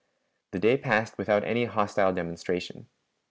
The day passed without any hostile demonstration.